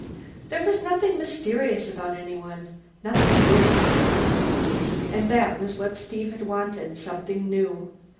There was nothing mysterious about anyone, nothing new. And that was what Steve had wanted: something new.